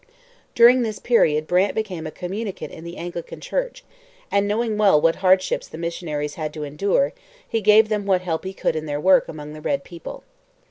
During this period Brant became a communicant in the Anglican Church, and, knowing well what hardships the missionaries had to endure, he gave them what help he could in their work among the red people.